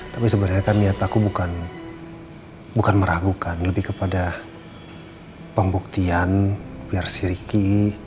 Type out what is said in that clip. tapi sebenarnya kan niat aku bukan meragukan lebih kepada pembuktian biar si ricky